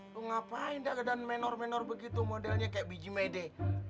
lu ngapain daga dan menor menor begitu modelnya kayak biji mede